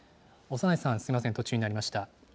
長内さん、すみません、途中になりました。